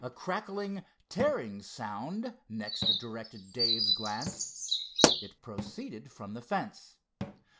A crackling, tearing sound next directed Dave's glance. It proceeded from the fence.